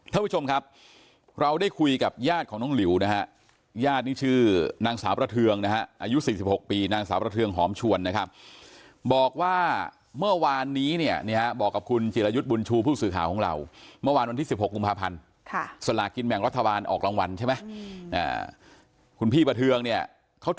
ท่านผู้ชมครับเราได้คุยกับญาติของน้องหลิวนะฮะญาตินี่ชื่อนางสาวประเทืองนะฮะอายุ๔๖ปีนางสาวประเทืองหอมชวนนะครับบอกว่าเมื่อวานนี้เนี่ยบอกกับคุณจิรายุทธ์บุญชูผู้สื่อข่าวของเราเมื่อวานวันที่๑๖กุมภาพันธ์สลากินแบ่งรัฐบาลออกรางวัลใช่ไหมคุณพี่ประเทืองเนี่ยเขาจะ